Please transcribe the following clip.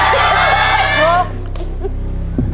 สุดท้าย